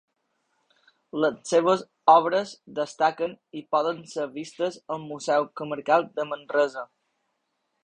Les seves obres destaquen i poden ser vistes al Museu Comarcal de Manresa.